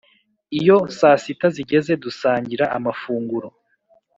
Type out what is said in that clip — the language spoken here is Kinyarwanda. Iyo saasita zigeze dusangira amafunguro